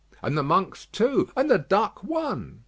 "And the Monks two." "And the Duck one."